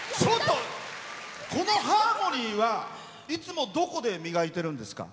このハーモニーはいつもどこで磨いてるんですか？